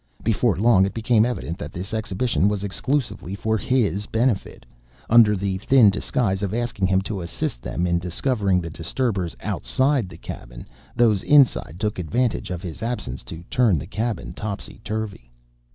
Before long it became evident that this exhibition was exclusively for HIS benefit. Under the thin disguise of asking him to assist them in discovering the disturbers OUTSIDE the cabin, those inside took advantage of his absence to turn the cabin topsy turvy.